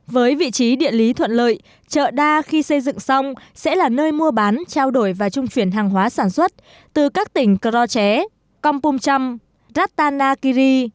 với vị trí địa lý thuận lợi chợ đa khi xây dựng xong sẽ là nơi mua bán trao đổi và trung chuyển hàng hóa sản xuất từ các tỉnh crochet kompong trump ratanakiri